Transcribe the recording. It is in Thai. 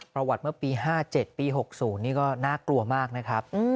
ประวัติเมื่อปี๕๗ปี๖๐นี่ก็น่ากลัวมากนะครับ